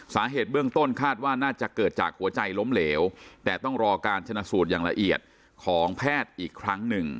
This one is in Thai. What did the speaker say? สาเหตุเบื้องต้นคาดว่าน่าจะเกิดจากหัวใจล้มเหลวแต่ต้องรอการชนะสูตรอย่างละเอียดของแพทย์อีกครั้งหนึ่ง